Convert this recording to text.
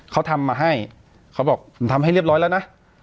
เขาทำมาให้เขาบอกผมทำให้เรียบร้อยแล้วนะ